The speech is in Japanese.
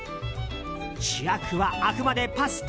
主役は、あくまでパスタ。